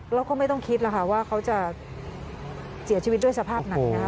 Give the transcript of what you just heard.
เราก็ไม่ต้องคิดนะคะว่าเขาจะเจียวชีวิตด้วยสภาพหนักนะคะ